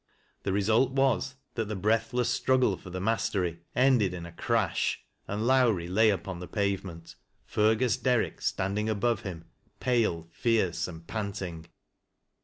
The result was that the breathless Btruggle for the mastery ended in a crash, and Lowrie lay upon the pavement, Fergus Derrick standing above him pale, fierce and panting.